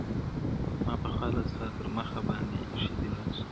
ما پخوا لا ستا تر مخه باندي ایښي دي لاسونه،